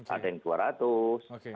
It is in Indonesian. ada yang dua ratus